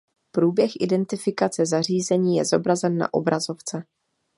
Průběh identifikace zařízení je zobrazen na obrazovce.